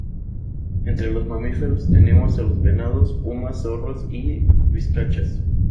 Entre los mamíferos tenemos a los venados, pumas, zorros y vizcachas.